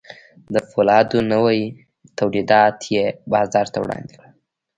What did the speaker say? د پولادو نوي تولیدات یې بازار ته وړاندې کړل